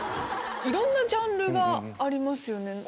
いろんなジャンルがありますよね。